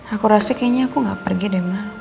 aku rasa kayaknya aku gak pergi deh